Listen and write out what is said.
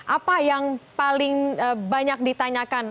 apa yang paling banyak ditanyakan